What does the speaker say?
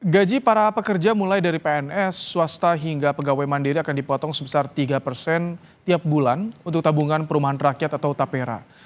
gaji para pekerja mulai dari pns swasta hingga pegawai mandiri akan dipotong sebesar tiga persen tiap bulan untuk tabungan perumahan rakyat atau tapera